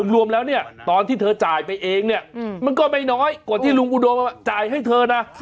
รวมแล้วเนี่ยตอนที่เธอจ่ายไปเองเนี่ยมันก็ไม่น้อยกว่าที่ลุงอุดมจ่ายให้เธอนะ